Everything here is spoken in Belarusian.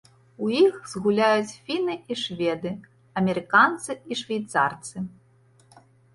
У іх згуляюць фіны і шведы, амерыканцы і швейцарцы.